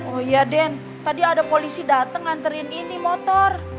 oh iya den tadi ada polisi datang nganterin ini motor